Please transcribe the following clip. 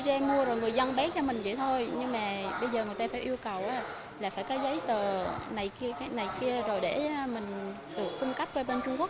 người ta mua rồi người dân bế cho mình vậy thôi nhưng mà bây giờ người ta phải yêu cầu là phải có giấy tờ này kia này kia rồi để mình được phung cấp về bên trung quốc